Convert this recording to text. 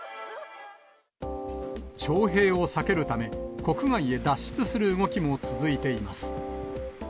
徴兵を避けるため、国外へ脱出する動きも続いています。